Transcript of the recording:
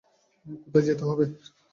কোথায় যেতে হবে?